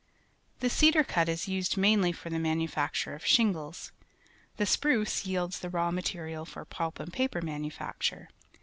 The cedar cut is used mainly for the manufacture of shingles^ The spruce yields the raw material ior pulp and paper manu BRITISH COLU.AIBIA 119 facture.